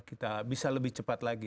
kita bisa lebih cepat lagi